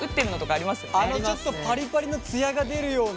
あのちょっとパリパリのツヤが出るような？